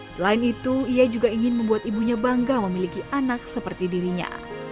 selain itu ia juga ingin membuat ibunya bangga memiliki anak seperti dirinya